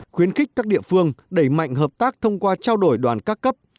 khuyến khích các địa phương đẩy mạnh hợp tác thông qua trao đổi đoàn các cấp